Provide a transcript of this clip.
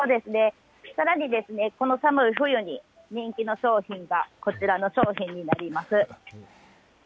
さらにですね、この寒い冬に人気の商品がこちらの商品になります。